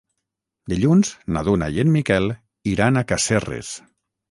Dilluns na Duna i en Miquel iran a Casserres.